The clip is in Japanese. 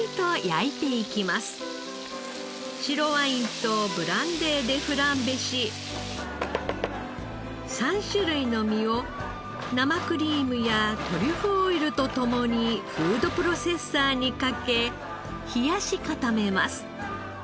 白ワインとブランデーでフランベし３種類の身を生クリームやトリュフオイルと共にフードプロセッサーにかけ冷やし固めます。